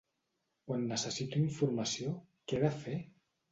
Quan necessito informació, què he de fer?